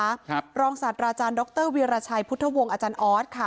ครับรองศาสตราจารย์ดรวีรชัยพุทธวงศ์อาจารย์ออสค่ะ